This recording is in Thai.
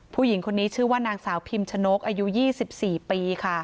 ผู้หญิงคนนี้ชื่อว่านางสาวพิมชนกอายุ๒๔ปีค่ะ